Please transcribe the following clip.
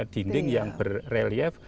dinding yang berelief